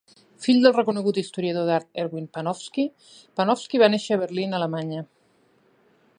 Fill del reconegut historiador d'art Erwin Panofsky, Panofsky va néixer a Berlín, Alemanya.